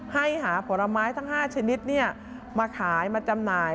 ให้หาผลไม้ทั้ง๕ชนิดมาขายมาจำหน่าย